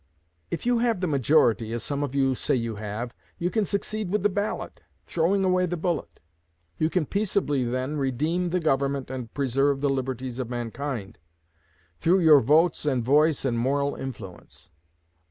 If you have the majority, as some of you say you have, you can succeed with the ballot, throwing away the bullet. You can peaceably, then, redeem the Government and preserve the liberties of mankind, through your votes and voice and moral influence.